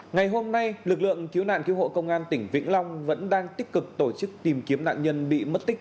ngày hôm nay lực lượng cứu nạn cứu hộ công an tỉnh vĩnh long vẫn đang tích cực tổ chức tìm kiếm nạn nhân bị mất tích